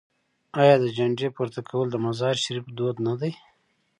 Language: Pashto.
آیا د جنډې پورته کول د مزار شریف دود نه دی؟